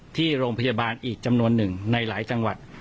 ที่โรงพยาบาลอีกจำนวนหนึ่งในหลายจังหวัด